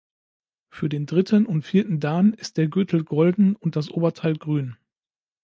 Für den dritten und vierten Dan ist der Gürtel golden und das Oberteil grün.